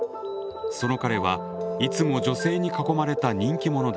その彼はいつも女性に囲まれた人気者です。